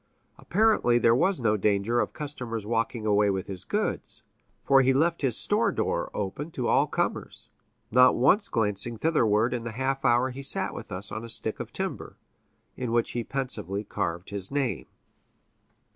Apparently there was no danger of customers walking away with his goods, for he left his store door open to all comers, not once glancing thitherward in the half hour he sat with us on a stick of timber, in which he pensively carved his name.